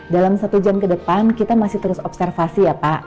dalam satu jam ke depan kita masih terus observasi